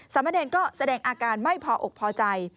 มะเนรก็แสดงอาการไม่พออกพอใจ